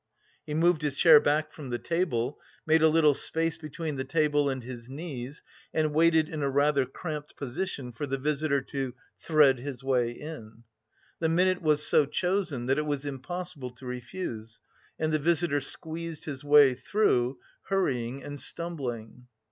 He moved his chair back from the table, made a little space between the table and his knees, and waited in a rather cramped position for the visitor to "thread his way in." The minute was so chosen that it was impossible to refuse, and the visitor squeezed his way through, hurrying and stumbling.